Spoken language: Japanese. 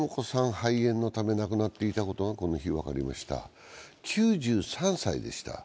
肺炎のため亡くなっていたことがこの日、分かりました９３歳でした。